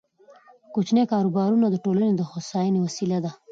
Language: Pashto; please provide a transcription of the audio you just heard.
کوچني کاروبارونه د ټولنې د هوساینې وسیله ده.